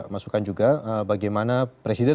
masukan juga bagaimana presiden